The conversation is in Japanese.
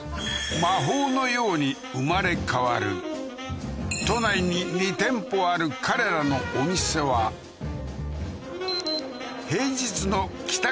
魔法のように生まれ変わる都内に２店舗ある彼らのお店は平日の帰宅